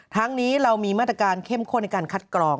ทั้งนี้เรามีมาตรการเข้มข้นในการคัดกรอง